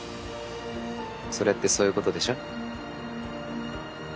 それってそういう事でしょ？